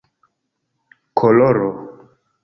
koloro